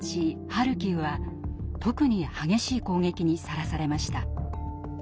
ハルキウは特に激しい攻撃にさらされました。